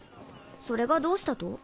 それがどうしたと？